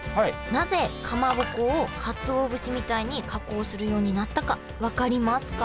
なぜかまぼこをかつお節みたいに加工するようになったか分かりますか？